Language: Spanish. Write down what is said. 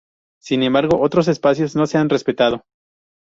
Sin embargo, otros espacios no se han respetado.